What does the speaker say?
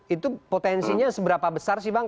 itu potensinya seberapa besar sih bang